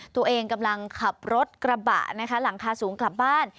ตัวเองกำลังขับรถกระบะนะคะหลังคาสูงกลับบ้าน